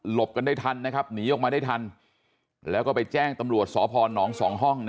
กันได้ทันนะครับหนีออกมาได้ทันแล้วก็ไปแจ้งตำรวจสพนสองห้อง